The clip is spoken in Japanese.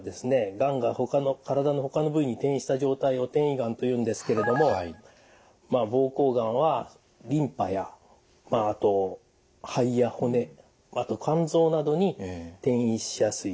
がんが体のほかの部位に転移した状態を転移がんというんですけれども膀胱がんはリンパやあと肺や骨あと肝臓などに転移しやすいですね。